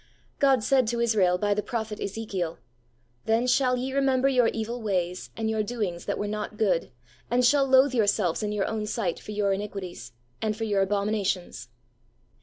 God said to Israel by the Prophet Ezekiel, ' Then shall ye remember your evil ways, and your doings that were not good, and shall loathe yourselves in your own sight for your iniquities, and for your abominations.